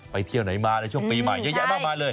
เที่ยวไหนมาในช่วงปีใหม่เยอะแยะมากมายเลย